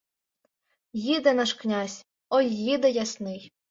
Їде наш князь, ой їде ясний